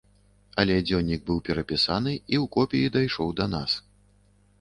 Але дзённік быў перапісаны, і ў копіі дайшоў да нас.